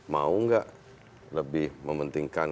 mau tidak lebih mementingkan